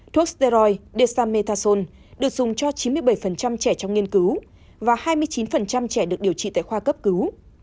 thuốc steroid dexamethasone được dùng cho chín mươi bảy trẻ trong nghiên cứu và hai mươi chín trẻ được điều trị tại khoa cấp cứu